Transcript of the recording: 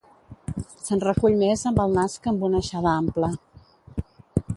Se'n recull més amb el nas que amb una aixada ampla.